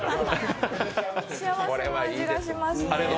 幸せの味がしますね。